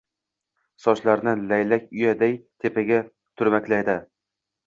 Sochlarini «laylak uya»day tepaga turmakladi.